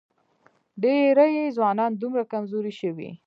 ډېری ځوانان دومره کمزوري شوي